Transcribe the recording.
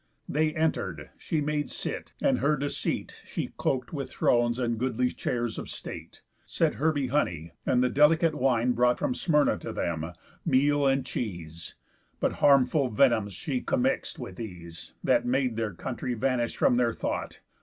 They enter'd, she made sit; and her deceit She cloak'd with thrones, and goodly chairs of state; Set herby honey, and the delicate Wine brought from Smynra, to them; meal and cheese; But harmful venoms she commix'd with these, That made their country vanish from their thought.